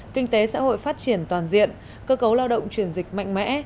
kinh tế xã hội phát triển toàn diện cơ cấu lao động chuyển dịch mạnh mẽ